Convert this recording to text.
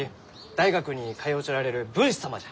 大学に通うちょられる文士様じゃ！